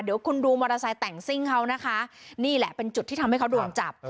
เดี๋ยวคุณดูมอเตอร์ไซค์แต่งซิ่งเขานะคะนี่แหละเป็นจุดที่ทำให้เขาโดนจับ